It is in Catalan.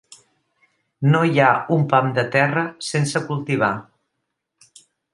No hi ha un pam de terra sense cultivar.